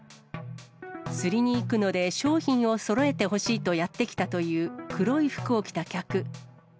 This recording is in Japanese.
釣りに行くので商品をそろえてほしいとやって来たという黒い服を着た客。